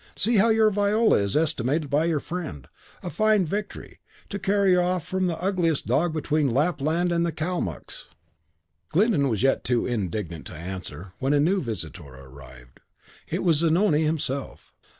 "See how your Viola is estimated by your friend. A fine victory, to carry her off from the ugliest dog between Lapland and the Calmucks." Glyndon was yet too indignant to answer, when a new visitor arrived. It was Zanoni himself.